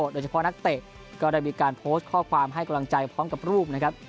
โดยเฉพาะนักเตะก็ได้มีการโพสต์ข้อความให้กำลังใจพร้อมกับรูปนะครับ